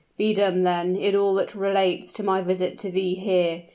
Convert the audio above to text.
Be dumb, then, in all that relates to my visit to thee here.